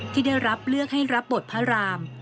ที่ได้รับเลือกให้รับบทพระราม